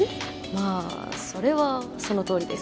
まあそれはそのとおりです